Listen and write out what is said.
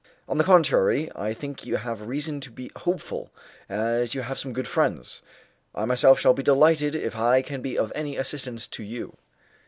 "On the contrary, I think you have reason to be hopeful, as you have some good friends. I myself shall be delighted if I can be of any assistance to you."